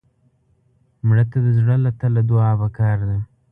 مړه ته د زړه له تله دعا پکار ده